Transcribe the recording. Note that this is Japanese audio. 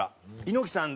猪木さん